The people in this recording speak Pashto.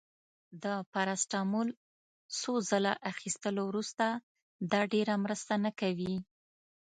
د پاراسټامول څو ځله اخیستلو وروسته، دا ډیره مرسته نه کوي.